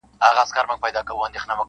پوليس کور پلټي او سواهد راټولوي ډېر جدي,